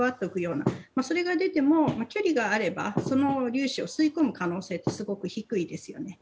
それが出ても距離があればその粒子を吸い込む可能性はすごく低いです。